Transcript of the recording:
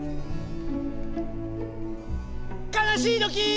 かなしいときー！